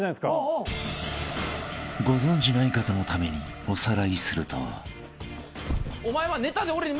［ご存じない方のためにおさらいすると］